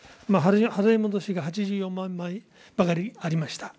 払い戻しが８４万枚ばかりありました。